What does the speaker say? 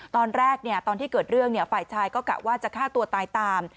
ตอนที่เกิดเรื่องฝ่ายชายก็กะว่าจะฆ่าตัวตายตาม